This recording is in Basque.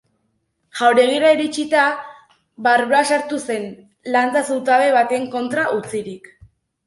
Jauregira iritsita, barrura sartu zen, lantza zutabe baten kontra utzirik.